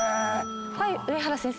はい上原先生。